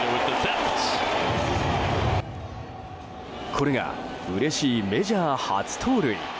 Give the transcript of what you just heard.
これが、うれしいメジャー初盗塁。